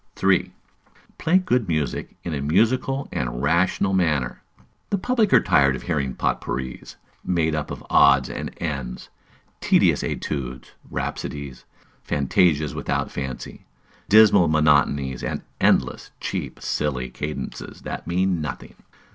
3. Play good music in a musical and rational manner. The public are tired of hearing Potpourris, made up of odds and ends, tedious Etudes, Rhapsodies, Fantasias without fancy, dismal monotonies and endless, cheap, silly cadences that mean nothing.